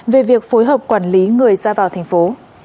về việc phối hợp quản lý người ra vào thành phố